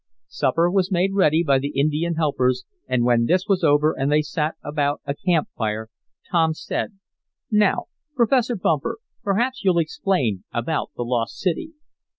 Supper was made ready by the Indian helpers, and when this was over, and they sat about a camp fire, Tom said: "Now, Professor Bumper, perhaps you'll explain about the lost city."